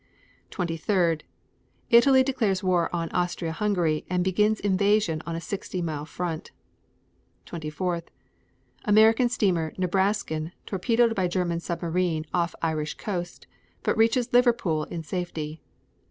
23. Italy declares war on Austria Hungary and begins invasion on a 60 mile front. 24. American steamer Nebraskan torpedoed by German submarine off Irish coast, but reaches Liverpool in safety.